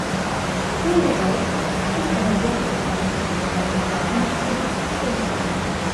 Théo Rol participe à la guerre d'Espagne, d'abord dans une unité de secouristes.